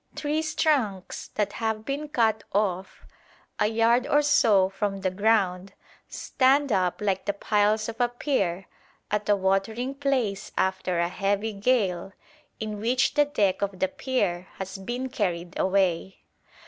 Trees trunks that have been cut off a yard or so from the ground stand up like the piles of a pier at a watering place after a heavy gale in which the deck of the pier has been carried away.